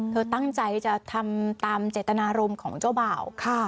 เธอตั้งใจจะทำตามเจตนารมณ์ของเจ้าบ่าว